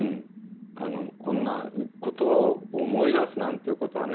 「こんな言葉を思い出すなんてことはね